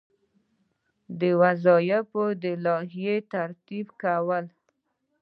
د وظایفو د لایحې ترتیب کول.